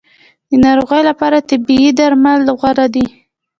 د ناروغۍ لپاره طبیعي درمل غوره دي